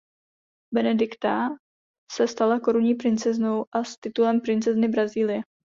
Benedikta se stala korunní princeznou a s titulem princezny Brazílie.